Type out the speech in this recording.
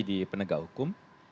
di penegak hukum